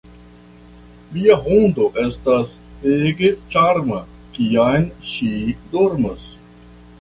Mia hundo estas ege ĉarma, kiam ŝi dormas.